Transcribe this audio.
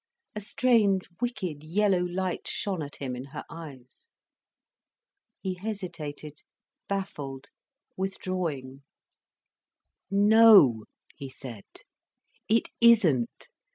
A strange, wicked yellow light shone at him in her eyes. He hesitated, baffled, withdrawing. "No," he said, "it isn't.